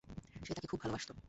সে তাকে খুব ভালোবাসতো।